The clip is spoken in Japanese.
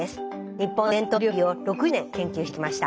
日本の伝統料理を６０年研究してきました。